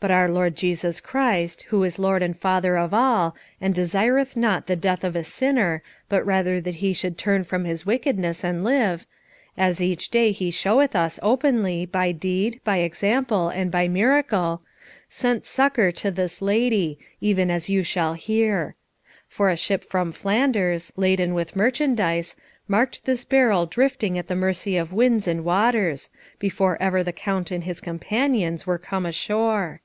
But our Lord Jesus Christ, who is Lord and Father of all, and desireth not the death of a sinner, but rather that he should turn from his wickedness and live as each day He showeth us openly by deed, by example and by miracle sent succour to this lady, even as you shall hear. For a ship from Flanders, laden with merchandise, marked this barrel drifting at the mercy of winds and waters, before ever the Count and his companions were come ashore.